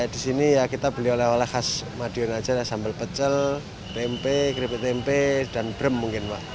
di sini kita beli oleh oleh khas madiun saja sambal pecel tempe kripit tempe dan brem mungkin